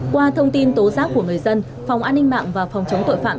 qua thông tin tố giác của người dân phòng an ninh mạng và phòng chống tội phạm